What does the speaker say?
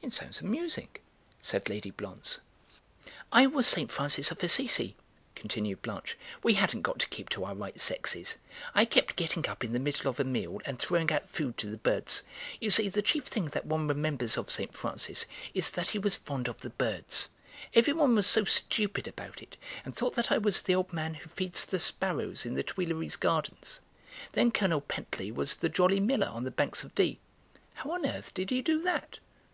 "It sounds amusing," said Lady Blonze. "I was St. Francis of Assisi," continued Blanche; "we hadn't got to keep to our right sexes. I kept getting up in the middle of a meal, and throwing out food to the birds; you see, the chief thing that one remembers of St. Francis is that he was fond of the birds. Every one was so stupid about it, and thought that I was the old man who feeds the sparrows in the Tuileries Gardens. Then Colonel Pentley was the Jolly Miller on the banks of Dee." "How on earth did he do that?"